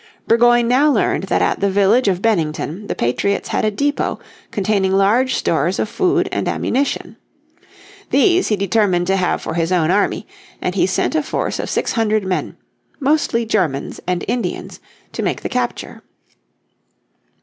Burgoyne now learned that at the village of Bennington the patriots had a depot containing large stores of food and ammunition. These he determined to have for his own army, and he sent a force of six hundred men, mostly Germans and Indians, to make the capture.